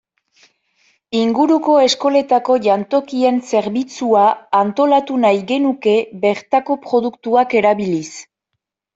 Inguruko eskoletako jantokien zerbitzua antolatu nahi genuke bertako produktuak erabiliz.